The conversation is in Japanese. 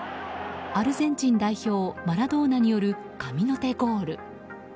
アルゼンチン代表マラドーナによる神の手ゴール。